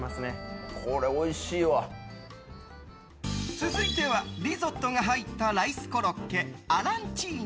続いてはリゾットが入ったライスコロッケアランチーニ。